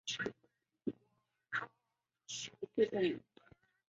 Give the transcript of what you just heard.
也有可能是星云中有如太阳系大小的节点正在进行某些机制。